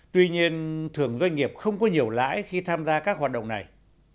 tuy nhiên thường doanh nghiệp không có nhiều lãi khi tham gia các hoạt động này